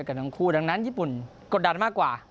กันทั้งคู่ดังนั้นญี่ปุ่นกดดันมากกว่า